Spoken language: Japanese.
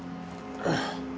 ああ。